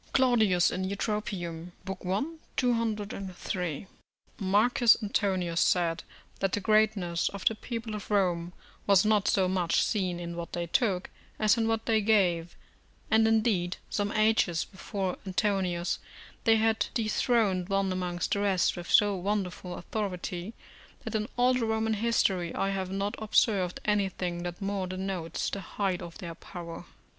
Claudius in Eutrop., i. 203.] Marcus Antonius said, that the greatness of the people of Rome was not so much seen in what they took, as in what they gave; and, indeed, some ages before Antonius, they had dethroned one amongst the rest with so wonderful authority, that in all the Roman history I have not observed anything that more denotes the height of their power.